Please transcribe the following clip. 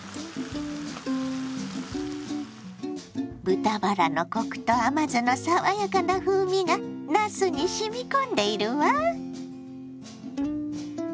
豚バラのコクと甘酢の爽やかな風味がなすにしみ込んでいるわ。